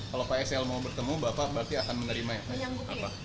kalau pak sl mau bertemu bapak berarti akan menerima ya